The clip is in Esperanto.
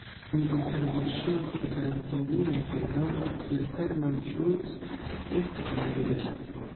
Mi konservos ŝin kiel garantiulinon tiel longe, kiel Hermann Schultz estos mallibera.